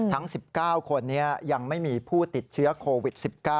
ทั้ง๑๙คนยังไม่มีผู้ติดเชื้อโควิด๑๙